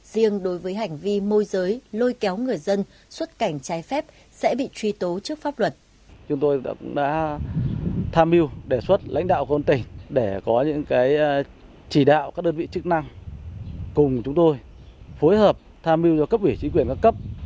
riêng đối với hành vi môi giới lôi kéo người dân xuất cảnh trái phép sẽ bị truy tố trước pháp luật